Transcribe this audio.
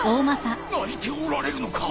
泣いておられるのか？